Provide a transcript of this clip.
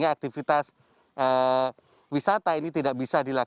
yang menjadi tantangan justru adalah ketika warga masyarakat khususnya di kabupaten sleman